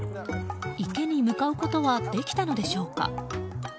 池に向かうことはできたのでしょうか。